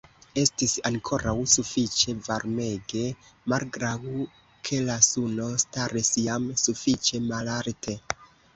Estis ankoraŭ sufiĉe varmege, malgraŭ ke la suno staris jam sufiĉe malalte.